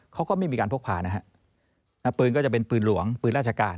เขาก็ไม่มีการพกพานะฮะปืนก็จะเป็นปืนหลวงปืนราชการ